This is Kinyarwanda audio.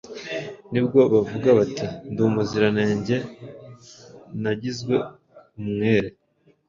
nibwo bavuga bati Ndi umuziranenge Nagizwe umwere.